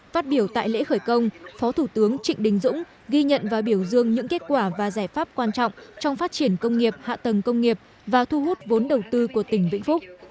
phát biểu tại lễ khởi công phó thủ tướng trịnh đình dũng ghi nhận và biểu dương những kết quả và giải pháp quan trọng trong phát triển công nghiệp hạ tầng công nghiệp và thu hút vốn đầu tư của tỉnh vĩnh phúc